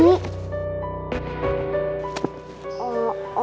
bik bawa aku